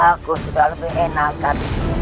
aku sudah lebih enak kali ini